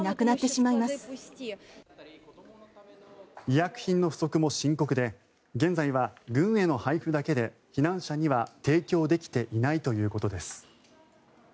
医薬品の不足も深刻で現在は軍への配布だけで避難者には提供できていないということです。